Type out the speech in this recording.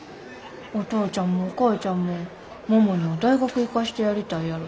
お父ちゃんもお母ちゃんも桃には大学行かしてやりたいやろし。